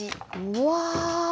うわ！